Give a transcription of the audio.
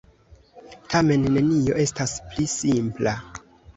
Tamen, nenio estas pli simpla.